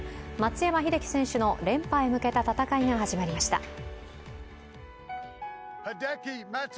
松山英樹選手の連覇へ向けた戦いが始まりました。